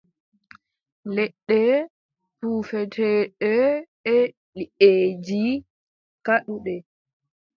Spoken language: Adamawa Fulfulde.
Leɗɗe puufeteeɗe e liʼeeji, kalluɗe.